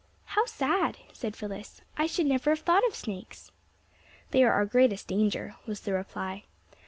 "How sad!" said Phyllis. "I should never have thought of snakes!" "They are our greatest danger," was the reply.